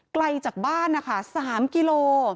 ไกลจากบ้านนะคะ๓กิโล